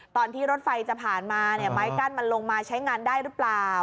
ตอนที่รถไฟจะผ่านมาไม้กั้นมันลงมาใช้งานได้หรือเปล่า